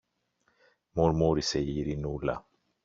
μουρμούρισε η Ειρηνούλα.